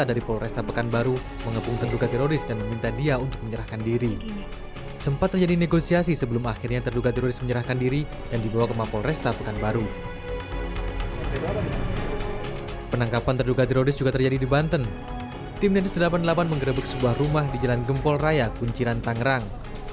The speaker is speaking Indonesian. di banten tim densus delapan puluh delapan mengerebek sebuah rumah di jalan gempol raya kunci rantangerang